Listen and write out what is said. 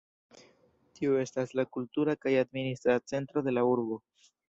Tio estas la kultura kaj administra centro de la urbo.